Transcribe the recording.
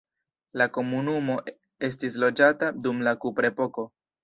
La komunumo estis loĝata dum la kuprepoko.